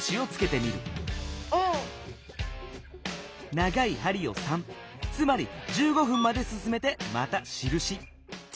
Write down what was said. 長い針を３つまり１５分まですすめてまたしるし。